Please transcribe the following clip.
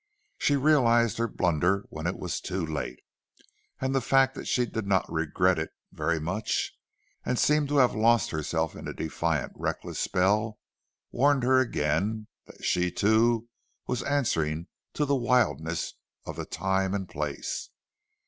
She realized her blunder when it was too late. And the fact that she did not regret it very much, and seemed to have lost herself in a defiant, reckless spell, warned her again that she, too, was answering to the wildness of the time and place.